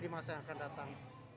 keuntungan yang akan datang